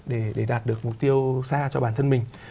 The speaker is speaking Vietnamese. để đạt được mục tiêu xa cho bản thân mình